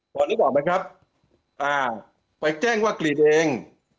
ตอนนี้บอกไหมครับไปแจ้งว่ากลีดเอง